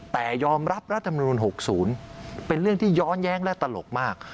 แต่ยอมรับรัฐมนุน๖๐เป็นเรื่องที่ย้อนแย้งและตลกมาก